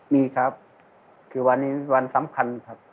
มีครับคือวันนี้วันสำคัญครับ